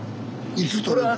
いつ取れた？